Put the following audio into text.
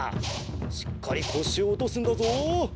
しっかりこしをおとすんだぞ。